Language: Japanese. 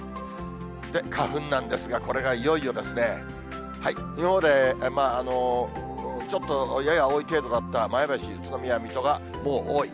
花粉なんですが、これがいよいよですね、今までちょっと、やや多い程度だった前橋、宇都宮、水戸が、もう多い。